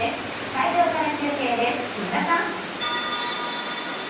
会場から中継です、木村さん。